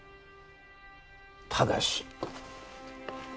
ただし。